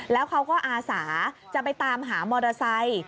แล้วเขาก็อาสาจะไปตามหามอเตอร์ไซค์